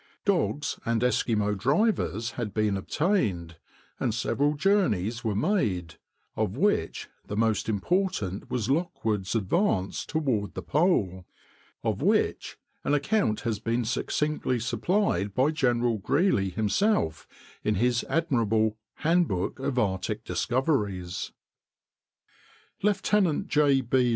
Dogs and Eskimo drivers had been obtained, and several journeys were made, of which the most important was Lockwood's advance toward the pole, of which an account has been succinctly supplied by General Greely himself in his admirable "Handbook of Arctic Discoveries." [Illustration: SCENERY OF GRINNELL LAND AND THE ARCTIC SEA.] Lieutenant J. B.